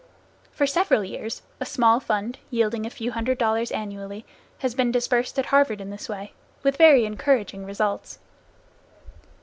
For several years, a small fund, yielding a few hundred dollars annually, has been disbursed at Harvard in this way, with very encouraging results.